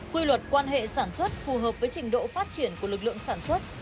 quy luật quan hệ sản xuất phù hợp với trình độ phát triển của lực lượng sản xuất